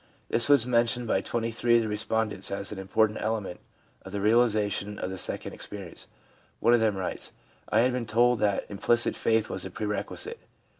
This was mentioned by 23 of the respondents as an important element in the realisation of the second experience. One of them writes :' I had been told that implicit faith was a pre requisite.